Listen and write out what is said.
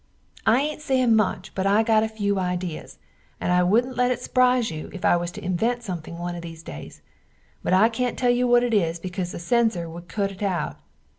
I aint sayin much but I got a few idees and I woodnt let it sprize you if I was to invent something one of these days, but I cant tell you what it is becaus the censer wood cut it out.